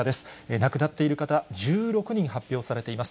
亡くなっている方、１６人発表されています。